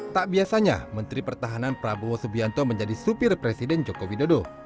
tak biasanya menteri pertahanan prabowo subianto menjadi supir presiden joko widodo